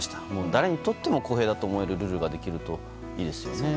誰にとっても公平だと思えるルールができるといいですよね。